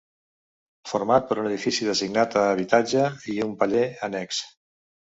Format per un edifici destinat a habitatge i un paller annex.